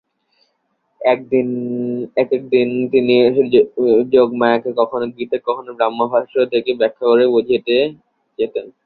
এক-একদিন তিনি এসে যোগমায়াকে কখনো গীতা কখনো ব্রহ্মভাষ্য থেকে ব্যাখ্যা করে বুঝিয়ে যেতেন।